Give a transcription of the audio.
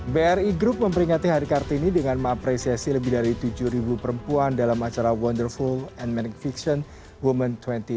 bri group memperingati hari kartini dengan mengapresiasi lebih dari tujuh perempuan dalam acara wonderful and manic fiction women dua ribu dua puluh